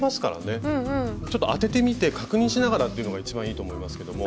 ちょっと当ててみて確認しながらっていうのが一番いいと思いますけども。